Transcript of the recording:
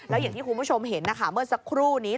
แล้วอย่างที่คุณผู้ชมเห็นนะคะเมื่อสักครู่นี้